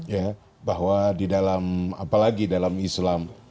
ya bahwa di dalam apalagi dalam islam